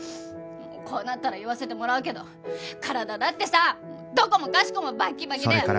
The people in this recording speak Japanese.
もうこうなったら言わせてもらうけど体だってさどこもかしこもバッキバキで。